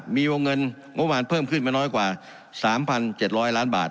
มีวงเงินงบมานเพิ่มขึ้นมาน้อยกว่าสามพันเจ็ดร้อยล้านบาท